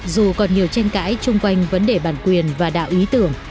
dù còn nhiều tranh cãi chung quanh vấn đề bản quyền và đạo ý tưởng